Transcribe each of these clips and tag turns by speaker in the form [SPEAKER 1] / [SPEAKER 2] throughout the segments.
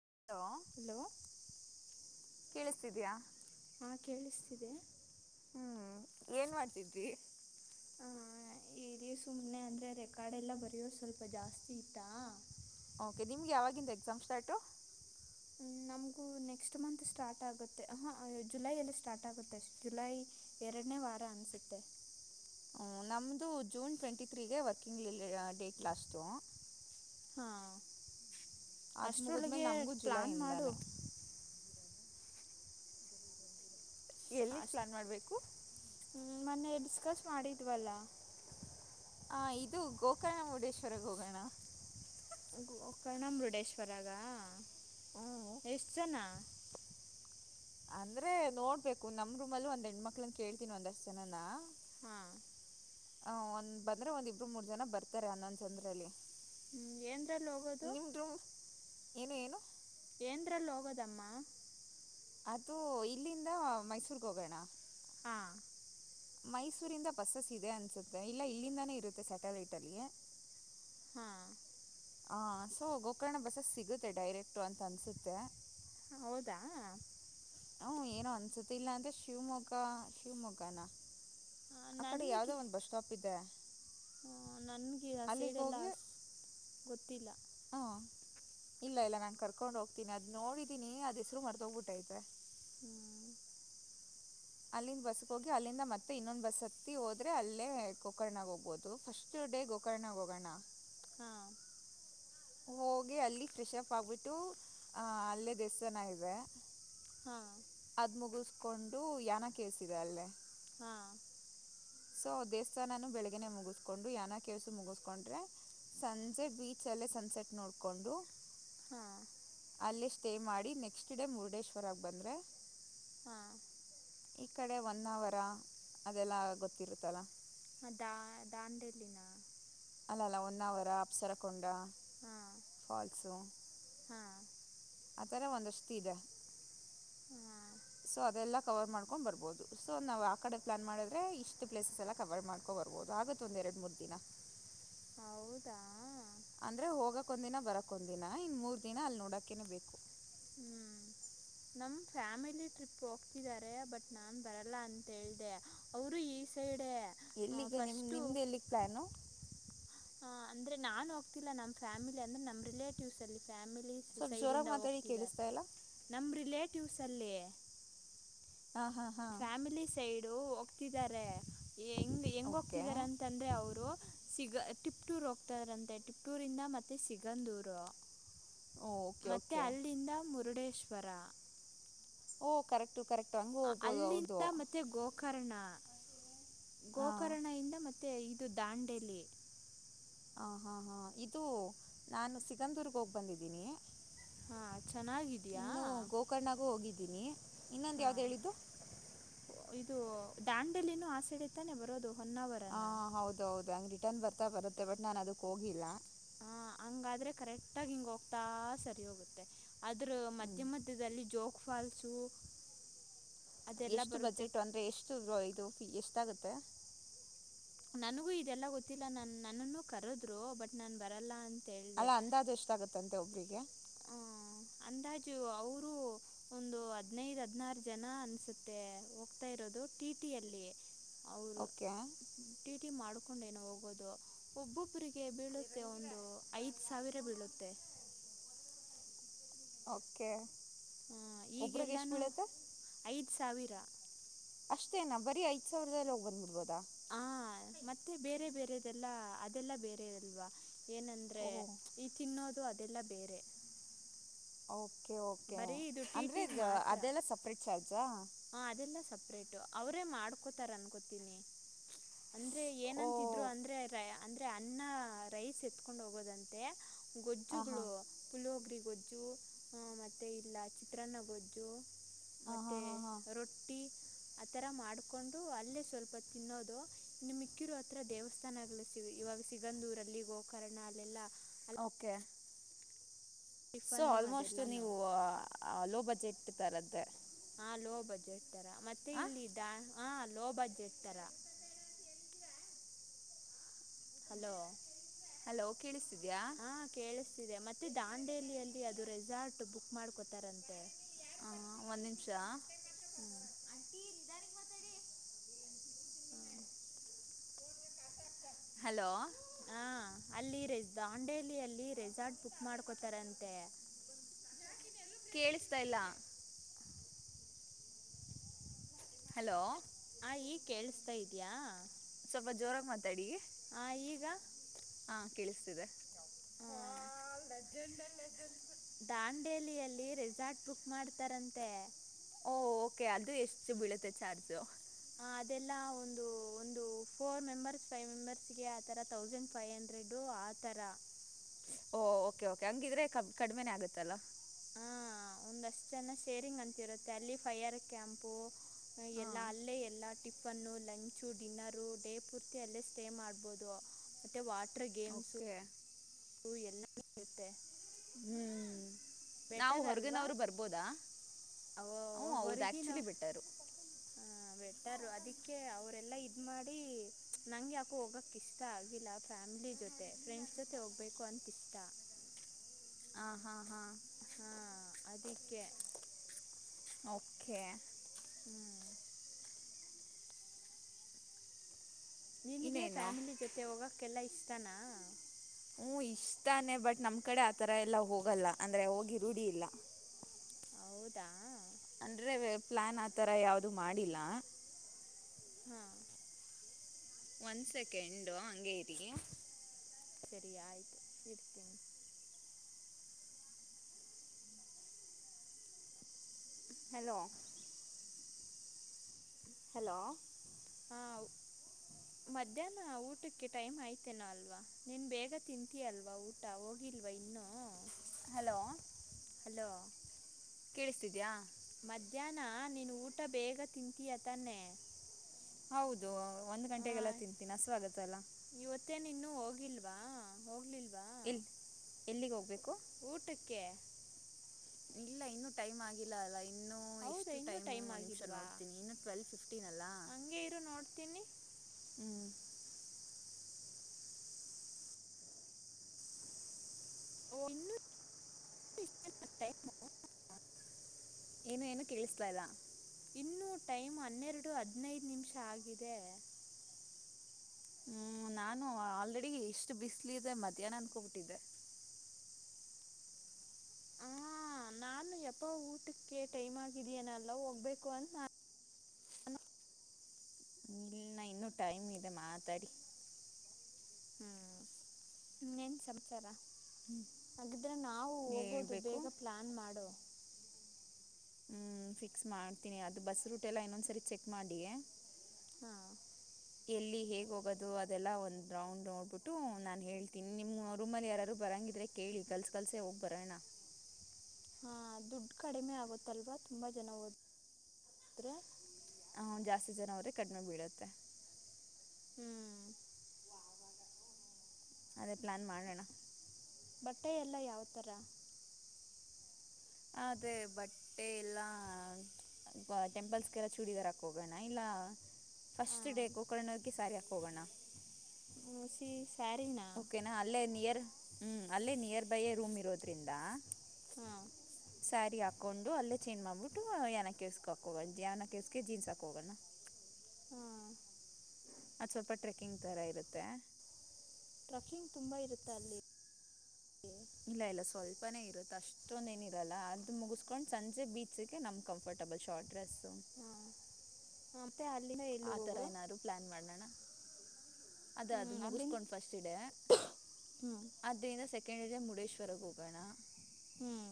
[SPEAKER 1] [unintelligible]
[SPEAKER 2] [unintelligible]
[SPEAKER 1] ಕೇಳುಸ್ತಿದ್ಯಾ?
[SPEAKER 2] ಹಾಂ ಕೇಳುಸ್ತಿದೆ.
[SPEAKER 1] ಹ್ಮ್ ಏನ್ ಮಾಡ್ತಿದ್ರಿ?
[SPEAKER 2] ಹ್ಮ್ ಈಗೆ ಸುಮ್ನೆ ಅಂಗೆ ರೆಕಾರ್ಡ್ ಎಲ್ಲ ಬರೆಯೋದ್ ಸ್ವಲ್ಪ ಜಾಸ್ತಿ ಇತ್ತಾ
[SPEAKER 1] ಓಕೆ ನಿಮ್ಗ್ ಯಾವಾಗಿಂದ ಎಕ್ಸಾಮ್ ಸ್ಟಾರ್ಟು?
[SPEAKER 2] ಹ್ಮ್ ನಮ್ಗೂ ನೆಕ್ಸ್ಟ ಮಂತ್ ಸ್ಟಾರ್ಟ್ ಆಗುತ್ತೆ ಉಹೂಂ ಅ ಜುಲೈಯಲ್ಲಿ ಸ್ಟಾರ್ಟ್ ಆಗುತ್ತೆ ಜುಲೈ ಎರಡನೇ ವಾರ ಅನ್ಸುತ್ತೆ
[SPEAKER 1] ಹ್ಮ್ ನಮ್ದು ಜೂನ್ ಟ್ವೆಂಟಿತ್ರೀಗೆ ವರ್ಕಿಂಗ್ ಡೇಟ್ ಲಾಸ್ಟು
[SPEAKER 2] ಹಾಂ
[SPEAKER 1] ಅದು ಮುಗಿದ್ಮೇಲೆ
[SPEAKER 2] ಅಷ್ಟ್ರೊಳಗೆ
[SPEAKER 1] ನಮಗೂ
[SPEAKER 2] ಪ್ಲಾನ್ ಮಾಡು.
[SPEAKER 1] ಜುಲೈಯಿಂದಾನೆ ಎಲ್ಲಿಗ್ ಪ್ಲಾನ್ ಮಾಡ್ಬೇಕು?
[SPEAKER 2] ಹ್ಮ್ ಮೊನ್ನೆ ಡಿಸ್ಕಸ್ ಮಾಡಿದ್ವಲ್ಲ?
[SPEAKER 1] ಹಾಂ ಇದು ಗೋಕರ್ಣ ಮುರ್ಡೇಶ್ವರಗೋಗಣ.
[SPEAKER 2] ಗೋಕರ್ಣ ಮುರ್ಡೇಶ್ವರಾಗ? ಎಷ್ಟ್ ಜನ?
[SPEAKER 1] ಅಂದ್ರೆ ನೋಡ್ಬೇಕು ನಮ್ ರೂಮಲ್ಲೂ ಒಂದ್ ಹೆಣ್ಮಕ್ಳನ್ ಕೇಳ್ತೀನಿ ಒಂದಷ್ಟ್ ಜನಾನ
[SPEAKER 2] ಹಾಂ
[SPEAKER 1] ಹಾಂ ಒಂದ್ ಬಂದ್ರೆ ಒಂದ್ ಇಬ್ರು ಮೂರ್ ಜನ ಬರ್ತಾರೆ ಹನ್ನೊಂದ್ ಜನ್ರಲ್ಲಿ
[SPEAKER 2] ಹ್ಮ್ ಏನ್ದ್ರಲ್ ಹೋಗೋದು?
[SPEAKER 1] ಏನು ಏನು?
[SPEAKER 2] ಏಂದ್ರಲ್ಲಿ ಲೋಗೋದಮ್ಮ
[SPEAKER 1] ಅದುೂ ಇಲ್ಲಿಂದ ಮೈಸೂರ್ಗೆ ಹೋಗೋಣ
[SPEAKER 2] ಹಾ
[SPEAKER 1] ಮೈಸೂರಿಂದ ಬಸ್ಸಸ್ ಇದೆ ಅನ್ಸುತ್ತೆ ಇಲ್ಲ ಇಲ್ಲಿಂದಾನೇ ಇರುತ್ತೆ ಸ್ಯಾಟಲೈಟ್ ಅಲ್ಲಿ
[SPEAKER 2] ಹಾ
[SPEAKER 1] ಹ ಸೊ ಗೋಕರ್ಣ ಬಸ್ಸಸ್ ಸಿಗುತ್ತೆ ಡೈರೆಕ್ಟ್ ಅಂತ ಅನ್ಸುತ್ತೆ
[SPEAKER 2] ಹೌದಾ
[SPEAKER 1] ಹ ಏನು ಅನ್ಸತಿಲ್ಲ ಅಂದ್ರೆ ಶಿವಮೊಗ್ಗ ಶಿವಮೊಗ್ಗನ ಆ ಕಡೆ ಯಾವ್ದೋ ಒಂದ್ ಬಸ್ ಸ್ಟಾಪ್ ಇದೆ
[SPEAKER 2] ಹ ನನಗೆ
[SPEAKER 1] ಅಲ್ಲಿಗೆ
[SPEAKER 2] ಹಸೈಡ್ ಗೊತ್ತಿಲ್ಲ
[SPEAKER 1] ಹ್ಮ ಇಲ್ಲ ಇಲ್ಲ ನಾನನ್ ಕರ್ಕೊಂಡ್ ಹೋಗ್ತೀನಿ ಅದ್ ನೋಡಿದೀನಿ ಅದ್ ಹೆಸರು ಮರ್ತಿಗ್ಬಿಟ್ ಐತೆ
[SPEAKER 2] ಹ್ಮ್
[SPEAKER 1] ಅಲ್ಲಿಂದ ಬಸ್ಗೆ ಹೋಗಿ ಅಲ್ಲಿಂದ ಮತ್ತೆ ಇನ್ನೊಂದ ಬಸ್ ಹತ್ತಿ ಹೋದ್ರೆ ಅಲ್ಲೇ ಗೋಕರ್ಣಗ್ ಹೋಗ್ಬೋದು ಫಸ್ಟ್ ಡೇ ಗೋಕರ್ಣ ಹೋಗೋಣ
[SPEAKER 2] ಹಾ
[SPEAKER 1] ಹೋಗಿ ಅಲ್ಲಿ ಫ್ರೆಶ್ ಅಪ್ ಆಗ್ಬಿಟ್ಟು ಆ ಅಲ್ಲೇ ದೇವಸ್ಥಾನ ಇದೆ
[SPEAKER 2] ಹಾಂ
[SPEAKER 1] ಅದ ಮೊಗಸ್ ಕೊಂಡು ಯಾನ ಕೇಸ್ ಇದೆ ಅಲ್ಲೇ
[SPEAKER 2] ಹು
[SPEAKER 1] ಸೊ ದೇವಸ್ಥಾನಾನ ಬೆಳಿಗ್ನೆ ಮುಗಿಸಸ್ಕೊಂಡು ಯಾನ ಕೇಳಸು ಮುಗಿಸಕೊಂಡ್ರೆ ಸಂಜೆ ಬೀಚ್ ಅಲ್ಲೇ ಸ್ವಲ್ಪ ಸೆಟ್ ನೋಡ್ಕೊಂಡು
[SPEAKER 2] ಹಾ
[SPEAKER 1] ಅಲ್ಲೇ ಸ್ಟೇ ಮಾಡಿ ನೆಕ್ಸ್ಟ್ ಡೇ ಮುರುಡೇಶ್ವರಕ್ಕೆ ಬಂದರೆ
[SPEAKER 2] ಹಾ
[SPEAKER 1] ಈ ಕಡೆ ಒನ್ ಹೊನ್ನಾವರ ಅದೆಲ್ಲಾ ಗೊತ್ತಿರುತ್ತಲ್ಲ
[SPEAKER 2] ಹ ದ ದಾಂಡೇಲಿನ
[SPEAKER 1] ಅಲ್ಲ ಅಲ್ಲ ಹೊನ್ನಾವರ ಅಪ್ಸರಕೊಂಡ
[SPEAKER 2] ಹಾಂ
[SPEAKER 1] ಫಾಲ್ಸು
[SPEAKER 2] ಹಾಂ
[SPEAKER 1] ಆತರ ಒಂದಷ್ಟು ಇದೆ
[SPEAKER 2] ಹ್ಮ
[SPEAKER 1] ಸೊ ಅದೆಲ್ಲ ಕವರ್ ಮಾಡ್ಕೊಂಡು ಬರ್ಬೋದು ಸೊ ನಾವು ಆ ಕಡೆ ಪ್ಲ್ಯಾನ್ ಮಾಡಿದ್ರೆ ಇಷ್ಟು ಪ್ಲೇಸಸ್ ಎಲ್ಲ ಕವರ್ ಮಾಡ್ಕೊ ಬರ್ಬೋದು ಆಗುತ್ತೆ ಒಂದ ಎರಡು ಮೂರು ದಿನ
[SPEAKER 2] ಹೌದಾ
[SPEAKER 1] ಅಂದ್ರೆ ಹೋಗಕ್ ಒಂದ ದಿನ ಬರಕ್ ಒಂದ ದಿನ ಇನ್ ಮೂರ್ ದಿನ ಅಲ್ ನೋಡಕನೆ ಬೇಕು
[SPEAKER 2] ಹ್ಮ್ ನಮ್ ಫ್ಯಾಮಿಲಿ ಟ್ರಿಪ್ ಹೋಗ್ತಿದ್ದಾರೆ ಬಟ್ ನಾನ್ ಬರಲ್ಲ ಅಂತ ಹೇಳ್ದ ಅವರು ಈ ಸೈಡ್
[SPEAKER 1] ಎಲ್ಲಿಗೆ ನಿಮ ನಿಮ್ದ ಎಲ್ಲಿಗೆ ಪ್ಲಾನು
[SPEAKER 2] ಅಂದ್ರೆ ನಾನ್ ಹೋಗ್ತಿಲ್ಲ ನ್ ಫ್ಯಾಮಿಲಿ ಅಂದ್ರೆ ನಮ್ಮ ರಿಲೇಟಿವಸ್ ಅಲ್ಲಿ ಫ್ಯಾಮಿಲಿ ಸು
[SPEAKER 1] ಸ್ವಲ್ಪ ಜೋರಾಗಿ
[SPEAKER 2] ಸೈಡಿಂದ
[SPEAKER 1] ಮಾತಾಡಿ
[SPEAKER 2] ಹೋಗ್ತಿದ್ದಾರೆ
[SPEAKER 1] ಕೇಳಿಸ್ತಾ ಇಲ್ಲ
[SPEAKER 2] ನಮ್ಮ ರಿಲೇಟ್ ರಿಲೇಟಿವ್ಸ್ ಅಲ್ಲಿ
[SPEAKER 1] ಹಾಂ ಹಾಂ ಹಾಂ
[SPEAKER 2] ಫ್ಯಾಮಿಲಿ ಸೈಡು ಹೋಗ್ತಿದ್ದಾರೆ ಹೆಂಗ್ ಹೆಂಗ
[SPEAKER 1] ಓಕೆ
[SPEAKER 2] ಹೋಗ್ತಿದ್ದಾರೆ ಅಂತಂದ್ರೆ ಅವರು ಸಿಗ ಟಿಪ್ಟೂರು ಹೋಗ್ತಾರಂತೆ ಟಿಪ್ಟೂರಿಂದ ಮತ್ತೆ ಸಿಗಂದೂರು
[SPEAKER 1] ಓಕೆ
[SPEAKER 2] ಮತ್ತೆ
[SPEAKER 1] ಓಕೆ
[SPEAKER 2] ಅಲ್ಲಿಂದ ಮುರುಡೆ ಶ್ವರ
[SPEAKER 1] ಓ ಕರೆಕ್ಟ್
[SPEAKER 2] ಅಲ್ಲಿಂದ ಮತ್ತೆ ಗೋಕರ್ಣ
[SPEAKER 1] ಹಾಂ
[SPEAKER 2] ಗೋಕರ್ಣ ಇಂದ ಮತ್ ಮತ್ತೆ ಇದು ದಾಂಡೆಲಿ
[SPEAKER 1] ಹ ಹಾ ಹಾ ಇದು ನಾನು ಸಿಗಂದೂರ್ಗ ಹೋಗಿ ಬಂದಿದ್ದೀನಿ
[SPEAKER 2] ಹಾಂ ಚೆನ್ನಾಗಿದೆಯಾ
[SPEAKER 1] ಇನ್ನು ಗೋಕರ್ಣಗೂ ಹೋಗಿದ್ ದಿನಿ ಇನ್ನೊಂದು ಯಾವ್ದ್
[SPEAKER 2] ಹಾಂ
[SPEAKER 1] ಹೇಳಿದ್ದು
[SPEAKER 2] ಇದು ದಾಂಡಲಿನ ಆಸೆಡಿತಾನೆ ಬರೋದು
[SPEAKER 1] ಹ
[SPEAKER 2] ಹೊನ್ನಾವರನ
[SPEAKER 1] ಹೌದ ಹೌದು ಹಂಗ್ ರಿಟರ್ನ್ ಬರ್ ತ್ತ ಬರುತ್ತೆ ಬಟ್ ನಾನ್ ಅದಕ್ ಹೋಗಿಲ್ಲಾ
[SPEAKER 2] ಹ ಹಂಗಾದ್ರೆ ಕರೆಕ್ಟಗ್ ಹಿಂಗ ಹೋಗ್ತಾ ಸರಿ ಹೋಗುತ್ತೆ ಆದ್ರ
[SPEAKER 1] ಹ್ಞೂ
[SPEAKER 2] ಮಧ್ಯ ಮಧ್ಯದಲ್ಲಿ ಜೋಕ್ ಕ್ವಾಲ್ಸು
[SPEAKER 1] ಎಷ್ಟು ಬಜೆಟ್ ಅಂದ್ರೆ ಎಷ್ಟು ಇದು ಎಷ್ ತ್ತಾಗುತ್ತೆ
[SPEAKER 2] ನನ್ಗೂ ಇದೆಲ್ಲಾ ಗೊತ್ತಿಲ್ಲ ನ ನನ್ನನ್ನು ಕರದ್ರು ಬಟ್ ನಾನ್ ಬರಲ್ಲ ಅಂ
[SPEAKER 1] ಅಲ್ಲಾ ಅಂದಾಜ್ ಎಷ್ಟಾಗುತ್ತಂತೆ ಒಬ್ರಿಗ್ ಗ್ಯಾ
[SPEAKER 2] ಹ ಅಂದಾಜು ಅವ್ರು ಒಂದು ಹದ್ನೈದು ಹದ್ನಾರು ಜನ ಅನ್ಸುತ್ತೆ ಹೋಗ್ತಾ ಇರೋದು ಟಿ ಟಿಯಲ್ಲಿ ಅವರು
[SPEAKER 1] ಓಕೆ
[SPEAKER 2] ಟಿ ಟಿ ಮಾಡ್ಕೊಂಡ ಏನೋ ಹೋಗ್ ಒದು ಒಬ್ ಒಬ್ ಒಬ್ರಿಗೆ ಬೀಳುತ್ತೆ ಒಂದು ಐದ್ ಸಾವಿರ ಬೀಳುತ್ತೆ
[SPEAKER 1] ಓಕೆ
[SPEAKER 2] ಹ
[SPEAKER 1] ಒಬ್ರಿಗೆ ಎಷ್ಟು
[SPEAKER 2] ಈಗೆಲ್ಲಾನೂ
[SPEAKER 1] ಬೀಳುತ್ತೆ
[SPEAKER 2] ಐದ್ ಸಾವಿರ
[SPEAKER 1] ರಿ ಐದ್ ಸಾವಿರದಲ್ಲೋಗ ಬಂದ್ ಬಿಡ್ಬೋ
[SPEAKER 2] ಹ ಮತ್ತೆ ಬೇರೆ ಬೇರೆದೆಲ್ಲ ಅದೆಲ್ಲಾ ಬೇರೆ ಅಲ್ವಾ ಏನಂದ್ರೆ
[SPEAKER 1] ಓಹ್
[SPEAKER 2] ಈ ತಿನ್ನೋದ್ ದು ಅದೆಲ್ಲ ಬೇರೆ
[SPEAKER 1] ಕೆ ಓಕೆ
[SPEAKER 2] ಬರೀ ಇದು ಟಿ
[SPEAKER 1] ಅಂದ್ರೆ
[SPEAKER 2] ಟಿಗೆ
[SPEAKER 1] ಇ
[SPEAKER 2] ಮಾತ್ರ
[SPEAKER 1] ಅದೆಲ್ಲ ಸಪ್ರೇಟ್ ಚಾರ್ಜಾ
[SPEAKER 2] ಪ್ರೆಟು ಅವರೇ ಮಾಡ್ಕೋತಾರ ಅನ್ಕೋತೀನಿ ಅಂದ್ರೆ
[SPEAKER 1] ಓ
[SPEAKER 2] ಏನಂತಿದ್ರು ಅಂದ್ರೆ ರಯ ಅಂದರೆ ಅನ್ನ ರೈಸ್ ಎತ್ಕೊಂಡು ಹೋಗೋದಂತೆ
[SPEAKER 1] ಹಾಂ
[SPEAKER 2] ಗೊಜ್ಜುಗಳು
[SPEAKER 1] ಹಾಂ
[SPEAKER 2] ಪುಲೋಗ್ರಿ ಗೊಜ್ಜು ಹ ಮತ್ ಮತ್ತೆ ಇಲ್ಲ ಚಿತ್ರನಗೊಜ್ಜು
[SPEAKER 1] ಹಾಂ
[SPEAKER 2] ಮತ್ತೆ
[SPEAKER 1] ಹಾಂ ಹಾಂ ಹಾಂ
[SPEAKER 2] ರೊಟ್ಟಿ ಆತರ ಮಾಡ್ಕೊಂಡು ಅಲ್ಲೇ ಸ್ವಲ್ಪ ತಿನ್ನೋದು ನಿಮ್ಮಿಕ್ಕಿರು ಹತ್ರ ದೇವಸ್ಥಾನಗಳು ಸಿ ಇವಾಗ ಸಿಗಂದೂರಲ್ಲಿ ಗೋಕರ್ಣ ಅಲ್ಲೆಲ್ಲ
[SPEAKER 1] ಓಕೆ ಸೊ
[SPEAKER 2] ಟಿಫನ್ನು
[SPEAKER 1] ಆಲ್ಮೋಸ್ಟ್
[SPEAKER 2] ಅದೆಲ್ಲವೂ
[SPEAKER 1] ನೀವು ಲೋ ಬಜೆಟ್ ತರದ್ದೆ
[SPEAKER 2] ಹಾಂ ಲೋ ಬಜೆಟ್ ರ ಮತ್ತೆ ಇಲ್ಲಿದ್ದ ಹಾ ಲೋ ಬಜೆಟ್ ತರ ಹಲೋ
[SPEAKER 1] ಹಲೋ ಕೇಳಿಸ್ತಿದ್ಯಾ
[SPEAKER 2] ಹಾ ಕೇಳಿಸ್ತಿದೆ ಮತ್ತೆ ದಾಂಡೇಲಿಯಲ್ಲಿ ಅ ಇದು ರೆಸಾರ್ಟ್ ಬುಕ್ ಮಾಡ್ಕೊತಾರಂತೆ
[SPEAKER 1] ಹ ಒಂದ್ ನಿಮಿಷ
[SPEAKER 2] ಹ್ಮ್ [inaudible]
[SPEAKER 1] ಹಲೋ
[SPEAKER 2] ಹ ಅಲ್ಲಿ ದಾಂಡೇಲಿಯಲ್ಲಿ ರೆಸಾರ್ಟ್ ಬುಕ್ ಮಾಡ್ಕೋತಾರಂತೆ
[SPEAKER 1] ಕೇಳಿಸ್ತಾ ಇಲ್ಲ ಹಲೋ
[SPEAKER 2] ಆ ಈಗ್ ಕೇಳಸ್ತಾ ಇದ್ಯಾ
[SPEAKER 1] ಜೋರಾಗ ಮಾತಾಡಿ
[SPEAKER 2] ಹ ಈಗ
[SPEAKER 1] ಹಾ ಕೇಳಿಸ್ತಿದೆ
[SPEAKER 2] ಹ್ಮ್
[SPEAKER 1] [unintelligible]
[SPEAKER 2] ದಾಂಡೇಲಿಯಲ್ಲಿ ರೆಸಾರ್ಟ್ ಬುಕ್ ಮಾಡ್ತಾರಂತೆ
[SPEAKER 1] ಓ ಕೆ ಅದು ಎಷ್ಟು ಬೀಳುತ್ತೆ ಚಾರ್ಜು
[SPEAKER 2] ಅದೆಲ್ಲ ಒಂದು ಒಂದು ಫೋರ್ ಮೆಂಬರ್ಸ್ ಫೈವ್ ಮೆಂಬರ್ಸ್ಗೆ ಆಥರ ತೌಸಂಡ್ ಫೈವ್ ಹಂಡ್ರೆಡು ಆ ಥರ
[SPEAKER 1] ಓ ಓಕೆ ಓಕೆ ಹಂಗಿದ್ರೆ ಕಡಿಮೆನೆ ಆಗುತ್ತಲ್ಲ
[SPEAKER 2] ಹ ಒಂದಷ್ಟ ಜನ ಶೇರಿಂಗ್ ಅಂತಿರುತ್ತೆ ಅಲ್ಲಿ ಫೈಯರ್ ಕ್ಯಾಂಪು ಹ್ಮ
[SPEAKER 1] ಹಾಂ
[SPEAKER 2] ಎಲ್ಲಾ ಅಲ್ಲೇ ಎಲ್ಲಾ ಟಪ್ ಫನ್ನು ಲಂಚು ಡಿನ್ನರು ಡೇ ಪೂರ್ತಿ ಅಲ್ಲೇ ಸ್ಟೇ ಮಾಡ್ಬಹುದು ಮೆ ವಾ ಗೇಮ್ಸ್
[SPEAKER 1] ಓಕೆ
[SPEAKER 2] ಎಲ್ಲ ಇತೆ
[SPEAKER 1] ಹ್ಮ್
[SPEAKER 2] ಬೆಟರ್ ಅಲ್ವಾ
[SPEAKER 1] ಹ್ಞೂ ಹೌದು
[SPEAKER 2] ಹೊರ್ಗಿನ
[SPEAKER 1] ಆ್ಯಕ್ಚುಲಿ ಬೆಟರು
[SPEAKER 2] ಬೆಟರ್ ಅದಕ್ಕೆ ಅವರೆಲ್ಲಾ ಇದ ಇ ಮಾಡಿ ನಂಗೆ ಯಾಕೋ ಹೋಗೋಕ್ಕೆ ಇಷ್ಟ ಆಗಿಲ್ಲ ಫ್ಯಾಮಿಲಿ ಜೊತೆ ಫ್ರೆಂಡ್ಸ್ ಜೊತೆ ಹೋಗ್ಬೇಕು ಅಂತ ಇಷ್ಟ
[SPEAKER 1] ಹ ಹಾ ಹಾ
[SPEAKER 2] ಹಾ ಅದಿಕ್ಕೆ
[SPEAKER 1] ಓಕೆ
[SPEAKER 2] ಹ್ಮ್ ನಿಮಗೆ
[SPEAKER 1] ಇನ್ನೇನು
[SPEAKER 2] ಫ್ಯಾಮಿಲಿ ಜೊತೆ ಹೋಗಕ್ಕೆಲ್ಲಾ ಇಷ್ಟ ತನ
[SPEAKER 1] ಹ್ಮಞ ಇಷ್ಟತಾನೆ ಬಟ್ ನಮ್ ಕಡೆ ಆತರ ಎಲ್ಲ ಹೋಗಲ್ಲ ಅಂದ್ರೆ ಹೋಗಿ ರೂಢ ಇಲ್ಲ
[SPEAKER 2] ಹೌದಾ
[SPEAKER 1] ಅಂದ್ರೆ ಪ್ಲಾನ್ ಆತರ ಯಾವ್ದು ಮಾಡಿಲ್ಲ
[SPEAKER 2] ಹ್ಮ್
[SPEAKER 1] ಒಂದ್ ಸೆಕೆಂಡು ಹಂಗ ಇರಿ
[SPEAKER 2] ಸರಿಯಯತ
[SPEAKER 1] ಹಲೋ ಹಲೋ
[SPEAKER 2] ಹಾ ಮಧ್ಯಾಹ್ನ ಊಟಕ್ಕೆ ಟೈಮ್ ಐತೆೇನಾ ಅಲ್ವಾ ನೀನ್ ಬೇಗ ತಿಂತೀಯ ಅಲ್ವಾ ಊಟ ಹೋಗಿಲ್ವಾ ಇನ್ನೂ
[SPEAKER 1] ಹಲೋ
[SPEAKER 2] ಹಲೋ
[SPEAKER 1] ಕೇಳಿಸ್ತಿದ್ಯಾಾ
[SPEAKER 2] ಮಧ್ಯಾಹ್ನ ನೀನ್ ಊಟ ಬೇಗ ತಿಂತೀಯ ತಾನೆ
[SPEAKER 1] ಹೌದು ಒಂದ್ ಗಂಟೆಗೆಲ್ಲ ತಿಂತೀನಿ ಹಸ್ವುಆಗತ್ತಲ್ಲಾ
[SPEAKER 2] ಮತ್ತೆ ನಿ ಇನ್ನು ಹೋಗಿಲ್ವಾ ಹೋಗ್ಲಿಲ್
[SPEAKER 1] ಎಲ್ಲಿ ಎಲ್ಲಿಗೆ ಹೋಗ್ಬೇಕು
[SPEAKER 2] ಕೆೆ
[SPEAKER 1] ಇಲ್ಲ ಇನ್ನುೂ ಟೈಮ್ ಆಗಿಲ್ಲ ಅಲ್ಲ ಇನ್ನು
[SPEAKER 2] ಹೌದಾ
[SPEAKER 1] ಎಷ್ಟು
[SPEAKER 2] ಇನ್ನೂ
[SPEAKER 1] ಟೈಮು
[SPEAKER 2] ಟೈಮ್
[SPEAKER 1] ಒಂದು ನಿಮಿಷ
[SPEAKER 2] ಆಗಿಲ್ವಾ
[SPEAKER 1] ನೋಡ್ತೀನಿ ಇನ್ನು ಟ್ವೆಲ್ವ ಫಿಫ್ಟೀನ್ ಅಲ್ಲ
[SPEAKER 2] ಹಂಗೆ ಇರು ನೋಡ್ತೀನಿ
[SPEAKER 1] ಹ
[SPEAKER 2] ಓ ಇನ್ನು [inaudible]
[SPEAKER 1] ಏನು ಏನು ಕೇಳಿಸ್ತಾಇಲ್ಲ
[SPEAKER 2] ಇನ್ನು ಟೈಮ್ ಹನ್ನೆರಡು ಹದ್ಿನೈದು ನಿಮಿಷ ಆಗಿದೆ
[SPEAKER 1] ಹ್ಮ್ ನಾನು ಆಲ್ರೆಡಿ ಎಷ್ಟು ಬಿಸಿ್ಲ ಇದೆ ಮಧ್ಯಾಹ್ನ ಅನ್ಕೋಬಿಟ್ಟಿದ್ದೆ
[SPEAKER 2] ಹ ನಾನು ಎಪ್ಪ ಊಟಕ್ಕೆ ಟೈಮ್ ಆಗಿದೀನಲ್ಲ ಹೋಗ್ಬೇಕು ಅಂತ
[SPEAKER 1] ಇನ್ನುೂ ಟೈಮ್ ಇದೆ ಮಾ ತಡಿ
[SPEAKER 2] ಹ್ಮ್ ಏನ್ ಸಮಾಚಾರ ಹಾಗಿದ್ರೆ ನಾವು ಹೋಗೋದು
[SPEAKER 1] ಹೇಳಬೇಕು
[SPEAKER 2] ಬೇಗ ಪ್ಲಾನ್ ಮಾಡೋ
[SPEAKER 1] ಹ್ಮ್ ಫಿಕ್ಸ್ ಮಾಡ್ತೀನಿ ಅದು ಬಸ್ ರೂಟ್ ಎಲ್ಲ ಇನ್ನೊಂದ್ಸರಿ ಚೆಕ್ ಮಾಡಿ
[SPEAKER 2] ಹಾ
[SPEAKER 1] ಎಲ್ಲಿ ಹೇಗ್ ಹೋಗೋದು ಅದೆಲ್ಲ ಒಂದು ರೌಂಡ್ ನೋಡ್ಬಿಟ್ಟು ನಾನು ಹೇಳ್ತೀನಿ ನಿಮ್ಮ ರೂಮ್ಲ್ಲಿ ಯಾರಾರು ಬರಂಗಿದ್ರೆ ಕೇಳಿ ಕಲ್ಸ ಕಲ್ಸೆ ಹೋಗಿ ಬರೋಣ
[SPEAKER 2] ಹಾಂ ದುಡ್ಡು ಕಡಿಮೆ ಆಗುತ್ತಲ್ವಾ ತುಂಬ ಜನ ಓದರೆ
[SPEAKER 1] ಹ ಜಾಸ್ತಿ ಜನ ಅವ್ರೆ ಕಡಿ್ಮಾಗ ಬೀಡತ್ತೆ
[SPEAKER 2] ಹ್ಮ್
[SPEAKER 1] ಅದೇ ಪ್ಲಾನ್ ಮಾಡಾಣ
[SPEAKER 2] ಬಟ್ಟೆ ಎಲ್ಲ ಯಾವತರನಾ
[SPEAKER 1] ಅದೇ ಬಟ್ಟೆ ಎಲ್ಲ ಟೆಂಪಲ್ಸ್ಗೆಲ್ಲ ಚೂಡಿದಾರಕೋಗೋಣ ಇಲ್ಲ ಫಸ್ಟ್ ಡೇ
[SPEAKER 2] ಹಾಂ
[SPEAKER 1] ಕೋಕರ್ಣದಕ್ಕೆ ಸ್ಯಾರಿ ಹಾಕೋಗೋಣ
[SPEAKER 2] ಹ್ಮ ಶಿ
[SPEAKER 1] ಓಕೆನಾ ಅಲ್ಲ ನಿಯರ್ ಹ್ಮ್ ಅಲ್ಲೇ ನಿಯರ್ ಬೈೇ ರೂಮ್ ಇರೋದ್ರಿಂದ
[SPEAKER 2] ಹ್ಮ
[SPEAKER 1] ಸ್ಯಾರಿ ಹಾಕ್ಕೊಂಡು ಅಲ್ಲೇ ಚೇಂಜ್ ಮಾಡಿಬಿಟ್ಟು ಯಾನ ಕ್ಯೇಸ್ ಹಾಕೋಗಣ ಯಾನ ಕೇಸ್ಗೆ ಜೀನ್ಸ್ ಹಾಕೋಹೊಗಣ
[SPEAKER 2] ಹ್ಮ್
[SPEAKER 1] ಅದು ಸ್ವಲ್ಪ ಟ್ರೆಕ್ಕಿಂಗ್ ತರ ಇರುತ್ತೆ
[SPEAKER 2] ಟ್ರಕಿಂಗ್ ತುಂಬಾ ಇರುತ್ತೆ ಅಲ್ಲಿ
[SPEAKER 1] ಇಲ್ಲ ಇಲ್ಲ ಸ್ವಲ್ಪನೇ ಇರುತ್ತ ಅಷ್ಟೊಂದ ಏನಿರಲ್ಲ ಅದು ಮುಗಿಸಸ್ಕೊಂಡ್ ಸಂಜೆ ಬೀಚಗೆ ನಮ್ ಕಂಫರ್ಟಬಲ್ ಶಾರ್ಟ್ ಡ್ರೆಸ್
[SPEAKER 2] ಹ್ಮ ಹ್ಮ್
[SPEAKER 1] ಆ ತರ ಏನಾದಾರರು ಪ್ಲಾನ್ ಮಾಡೋಣ ಅದ
[SPEAKER 2] ಹ್ಞೂ
[SPEAKER 1] ಅದು
[SPEAKER 2] ಅಲ್ಲಿಂದ
[SPEAKER 1] ಮುಗಿಸಸ್ಕೊಂಡ್ ಫಸ್ಟ್ ಇಡ
[SPEAKER 2] ಹ್ಞೂ
[SPEAKER 1] ಅದ್ರಂದ ಕೆಳಜ ಮುಡೇಶ್ವರ ಹೋಗಣ
[SPEAKER 2] ಹ್ಮ್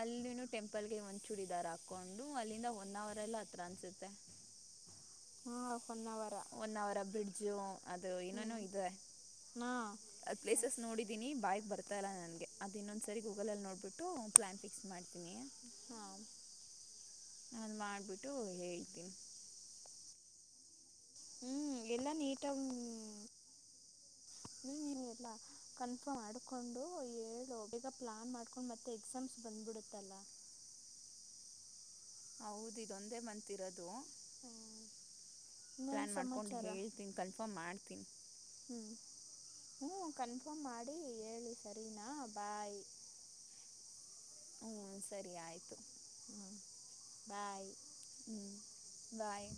[SPEAKER 1] ಅಲ್ಲಿ ಟೆಂಪಲ್ಗೆ ಒಂದು ಚೂಡಿದಾರ ಹಾಕ್ಕೊಂಡು ಅಲ್ಲಿಂದ ಒಂದು ಅವರೆ ಎಲ್ಲ ಹತ್ರಿ ಅನ್ಸುತ್ತೆ
[SPEAKER 2] ಹ್ಮ್
[SPEAKER 1] ಒನ್ ಅವರ್ ಅಬ್ಬಿಡ್ ಜ ಅದು ಇನ್ನನುೋ
[SPEAKER 2] ಹ್ಞೂ
[SPEAKER 1] ಇದೆ
[SPEAKER 2] ಹಾ
[SPEAKER 1] ಅ್ ಪ್ಲೇಸಸ್ ನೋಡಿದ್ದೀನಿ ಬಾಯಕ್ ಬರ್ ಲ್ಲ ನನ್ಗೆ ಅದು ಇನ್ನೊಂದಸರಿ ಗೂಗಲ್ ಅ ನೋಡ್ಬಿಟ್ಟು ಪ್ಲಾನ್ ಫಿಕ್ಸ್ ಮಾಡತೀನಿ
[SPEAKER 2] ಹ್ಮ
[SPEAKER 1] ನನ್ು ಮಾಡ್ಬಿಟ್ಟು ಹೇಳ್ತೀನಿ
[SPEAKER 2] ಹ್ಮಞ ಎಲ್ಲ ನೀಟಾಗಿ ಹ ನೀ ಎಲ್ಲ ಕನ್ಫರ್ಮ್ ಮಾಡಡ್ಕೊಂಡು ಹೇಳು ಬೇಗ ಪ್ಲಾನ್ ಮಾಡ್ಕೊಂಡು ಮತ್ತೆ ಎಕ್ಸಾಮ್ಸ್ ಬಂದ್ಬಿಡುತ್ತಲ್ಲ
[SPEAKER 1] ಹೌದ ಇದೊಂದೇ ಮಂತ ಇರೋದು
[SPEAKER 2] ಇನ್ನೇನು
[SPEAKER 1] ಪ್ಲಯಾನ್ ಮಾಡ್ಕೊಂಡು
[SPEAKER 2] ಸಮಾಚಾರ
[SPEAKER 1] ಹೇಳ್ತೀನಿ ಕನ್ಫರ್ಮ್ ಮಾಡ್ತೀನಿ
[SPEAKER 2] ಹ್ಞ ಕನ್ಫರ್ಮ್ ಮಾಡಿ ಹೇಳು ಸರಿನಾ ಬಾಯ್
[SPEAKER 1] ಹ್ಮ್ ಸರಿ ಆಯ್ತು
[SPEAKER 2] ಹ ಬಾಯ್
[SPEAKER 1] ಹ್ಮ ಬಾಯ್